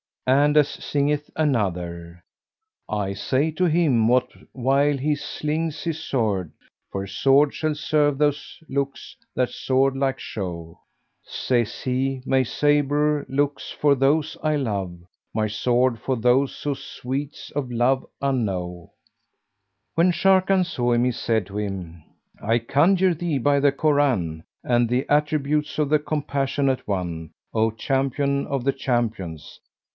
And as singeth another, "I say to him, what while he slings his sword, * 'For sword shall serve those looks that sword like show!' Says he, 'My sabre looks for those I love, * My sword for those who sweets of love unknow!'" When Sharrkan saw him, he said to him, "I conjure thee by the Koran and the attributes of the Compassionate One, O Champion of the Champions!